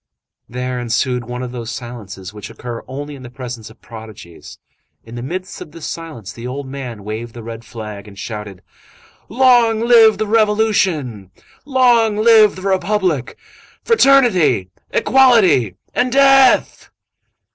There ensued one of those silences which occur only in the presence of prodigies. In the midst of this silence, the old man waved the red flag and shouted:— "Long live the Revolution! Long live the Republic! Fraternity! Equality! and Death!"